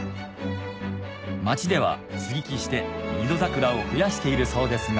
町では接ぎ木して二度ザクラを増やしているそうですが